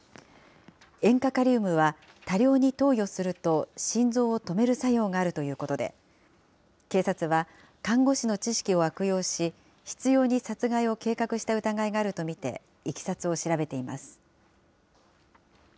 塩化カリウムは、多量に投与すると心臓を止める作用があるということで、警察は看護師の知識を悪用し、執ように殺害を計画した疑いがあると見て、いきさつを調べています。